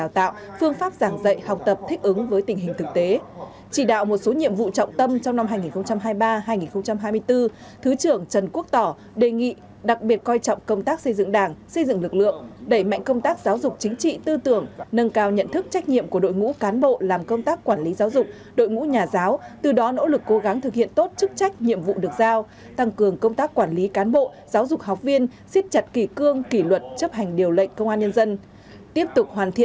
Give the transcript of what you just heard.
thích ứng với tình hình thực tế chỉ đạo một số nhiệm vụ trọng tâm trong năm hai nghìn hai mươi ba hai nghìn hai mươi bốn thứ trưởng trần quốc tỏ đề nghị đặc biệt coi trọng công tác xây dựng đảng xây dựng lực lượng đẩy mạnh công tác giáo dục chính trị tư tưởng nâng cao nhận thức trách nhiệm của đội ngũ cán bộ làm công tác quản lý giáo dục đội ngũ nhà giáo từ đó nỗ lực cố gắng thực hiện tốt chức trách nhiệm vụ được giao tăng cường công tác quản lý cán bộ giáo dục học viên siết chặt kỳ cương kỷ luật chấp hành điều lệnh